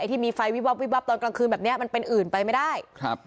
ที่มีไฟวิบวับวิบวับตอนกลางคืนแบบเนี้ยมันเป็นอื่นไปไม่ได้ครับ